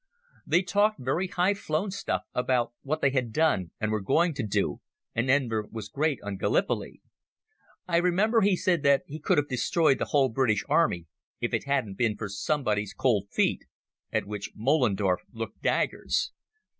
They talked very high flown stuff about what they had done and were going to do, and Enver was great on Gallipoli. I remember he said that he could have destroyed the whole British Army if it hadn't been for somebody's cold feet—at which Moellendorff looked daggers.